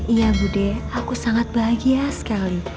iya bu de aku sangat bahagia sekali